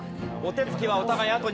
お手つきはお互い